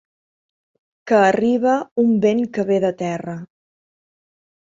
Que arriba un vent que ve de terra.